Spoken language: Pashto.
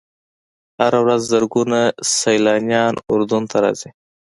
هره ورځ زرګونه سیلانیان اردن ته راځي.